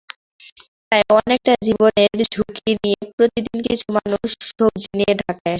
তাই অনেকটা জীবনের ঝুঁকি নিয়ে প্রতিদিন কিছু মানুষ সবজি নিয়ে ঢাকায় আসেন।